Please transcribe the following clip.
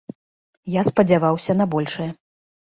Я спадзяваўся на большае.